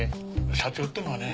社長ってのはね